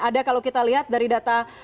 ada kalau kita lihat dari data drone empirit